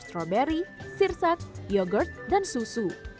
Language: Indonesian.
strawberry sirsak yogurt dan susu